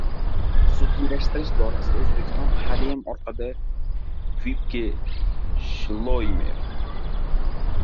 Xususiylashtirish borasida O‘zbekiston haliyam orqada- Vibke Shloymer